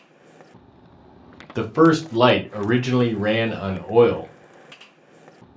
The first light originally ran on oil.